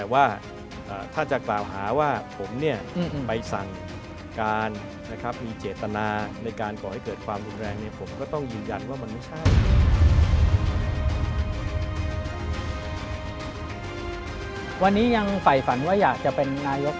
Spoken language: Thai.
วันนี้ยังไฝฝันว่าอยากจะเป็นนายก